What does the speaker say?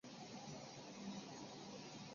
这个名字没有任何实际的原因。